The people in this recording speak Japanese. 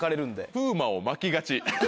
風磨をまきがち。